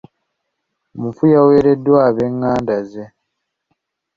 Omufu yaweereddwa ab'enganda ze.